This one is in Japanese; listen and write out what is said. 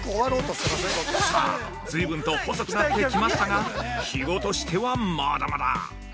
◆さあ、随分と細くなってきましたがひごとしてはまだまだ。